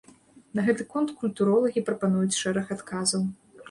На гэты конт культуролагі прапануюць шэраг адказаў.